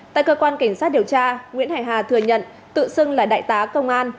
tại cơ quan cảnh sát điều tra nguyễn hải hà thừa nhận tự xưng là đại tá công an